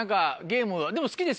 ゲームは。